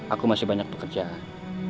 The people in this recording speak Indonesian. aku masih banyak pekerjaan